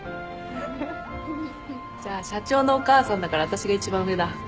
じゃあ社長のお母さんだから私が一番上だ。